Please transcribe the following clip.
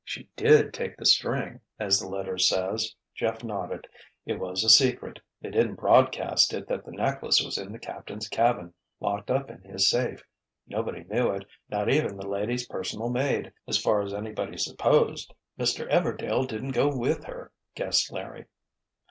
"She did take the string, as the letter says," Jeff nodded. "It was a secret—they didn't broadcast it that the necklace was in the captain's cabin, locked up in his safe. Nobody knew it, not even the lady's personal maid, as far as anybody supposed." "Mr. Everdail didn't go with her," guessed Larry.